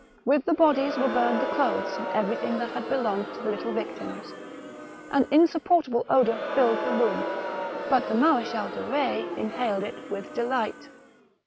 With the bodies were burned' the clothes and everything that had belonged to the little victims. An insupportable odour filled the room, but the Marechal de Eetz inhaled it with delight.